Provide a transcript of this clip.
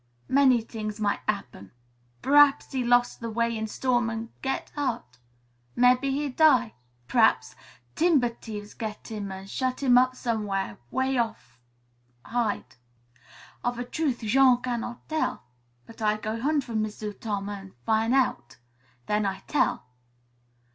"Many t'ings might 'appen. P'r'aps he lose the way in storm an' get hurt; mebbe he die. P'r'aps timber t'ieves get him an' shut him up somew'ere way off hid. Of a truth, Jean cannot tell. But I go hunt for M'sieu' Tom an' fin' out. Then I tell."